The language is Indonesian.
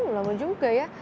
lama juga ya